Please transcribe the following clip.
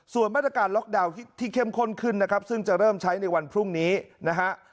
ส่วนมาตรการล็อกดาวน์ที่เข้มข้นขึ้นนะครับซึ่งจะเริ่มใช้ในวันพรุ่งนี้นะฮะ